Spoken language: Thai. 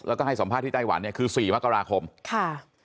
แล้วก็ให้สอบพาทที่ไต้หวันคือ๔มคค่ะ